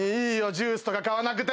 ジュースとか買わなくて！